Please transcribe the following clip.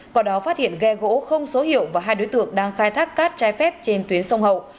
quả đó phát hiện ghe gỗ không số hiệu và hai đối tượng đang khai thác cát trái phép trên tuyến sông hậu